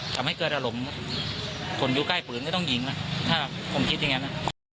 ทำให้เกิดอารมณ์คนอยู่ใกล้ปืนก็ต้องยิงนะถ้าผมคิดอย่างนั้นนะ